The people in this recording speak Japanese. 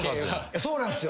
そうなんすよ。